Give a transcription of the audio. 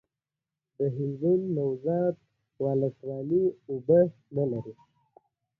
کویلیو یو انسټیټیوټ تاسیس کړی دی.